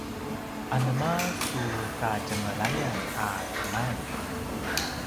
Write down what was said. anema su katjengelayan a keman?